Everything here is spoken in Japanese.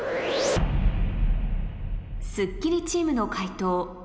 『スッキリ』チームの解答